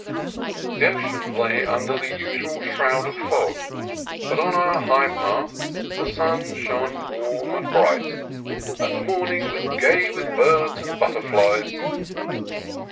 The ocean lay under the usual shroud of fog, but on our high path the sun shone warm and bright, and the morning was gay with birds and but terflies.